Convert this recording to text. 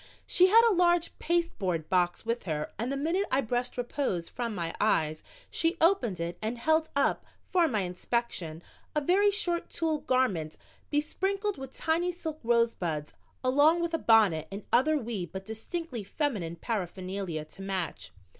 She had a large pasteboard box with her and the minute I brushed repose from my eyes she opened it and held up for my inspection a very short tulle garment besprinkled with tiny silk rosebuds, along with a bonnet and other wee but distinctly feminine paraphernalia to match.